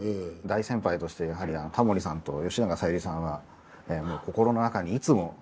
大先輩としてやはりタモリさんと吉永小百合さんは心の中にいつも。